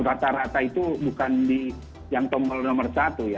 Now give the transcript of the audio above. rata rata itu bukan di yang tombol nomor satu ya